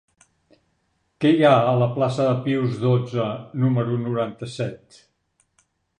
Què hi ha a la plaça de Pius dotze número noranta-set?